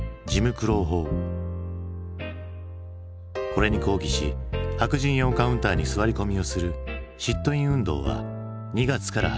これに抗議し白人用カウンターに座り込みをするシット・イン運動は２月から始まった。